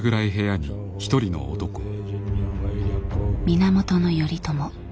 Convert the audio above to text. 源頼朝